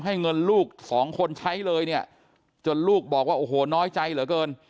ให้เงินลูกสองคนใช้เลยเนี่ยจนลูกบอกว่าโอ้โหน้อยใจเหลือเกิน